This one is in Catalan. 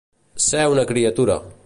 Ser una criatura.